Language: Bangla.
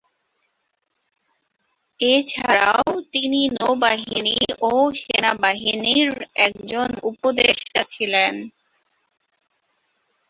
এছাড়াও তিনি নৌবাহিনী ও সেনাবাহিনীর একজন উপদেষ্টা ছিলেন।